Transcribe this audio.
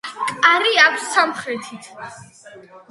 კარი აქვს სამხრეთით.